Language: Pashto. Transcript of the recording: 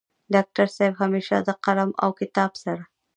ډاکټر صيب همېشه د قلم او کتاب سره